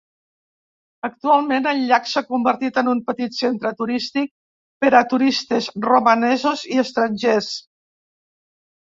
Actualment, el llac s'ha convertit en un petit centre turístic per a turistes romanesos i estrangers.